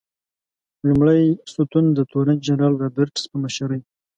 لومړی ستون د تورن جنرال رابرټس په مشرۍ.